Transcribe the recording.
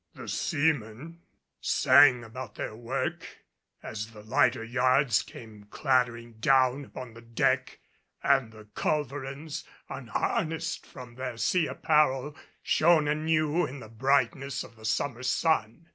The seaman sang about their work as the lighter yards came clattering down upon the deck, and the culverins, unharnessed from their sea apparel, shone anew in the brightness of the summer sun.